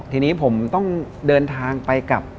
ทีนี้ผมต้องเดินทางไปกับ